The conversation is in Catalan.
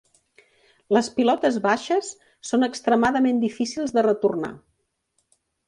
Les pilotes baixes són extremadament difícils de retornar.